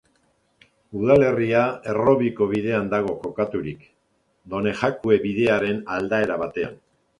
Udalerria Errobiko bidean dago kokaturik, Donejakue Bidearen aldaera batean.